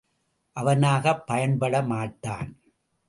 அவனாகப் பயன்பட மாட்டான்!